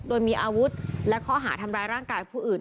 โดยมีอาวุธและข้อหาทำร้ายร่างกายผู้อื่น